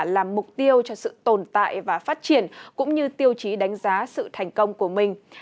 làm mục tiêu cho sự tồn tại và phát triển cũng như tiêu chí đánh giá sự thành công của mình